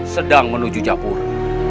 sedang menuju japura